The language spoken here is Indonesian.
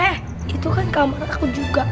eh itu kan keamanan aku juga